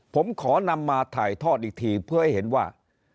ผมขอนำมาถ่ายทอดอีกทีเพื่อให้เห็นว่า